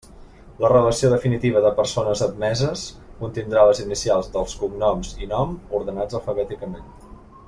La relació definitiva de persones admeses contindrà les inicials dels cognoms i nom, ordenats alfabèticament.